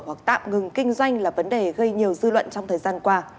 hoặc tạm ngừng kinh doanh là vấn đề gây nhiều dư luận trong thời gian qua